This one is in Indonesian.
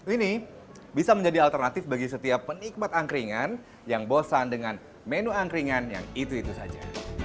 ini bisa menjadi alternatif bagi setiap penikmat angkringan yang bosan dengan menu angkringan yang itu itu saja